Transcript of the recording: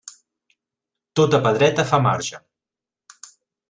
Tota pedreta fa marge.